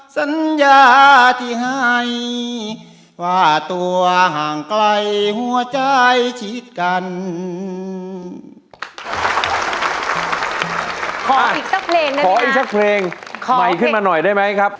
ขออีกซักเพลงใหม่ขึ้นมาหน่อยได้มั้ยครับ